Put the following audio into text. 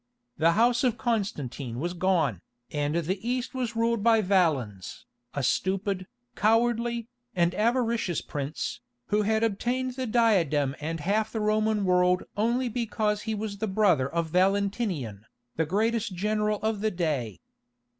The house of Constantine was gone, and the East was ruled by Valens, a stupid, cowardly, and avaricious prince, who had obtained the diadem and half the Roman world only because he was the brother of Valentinian, the greatest general of the day.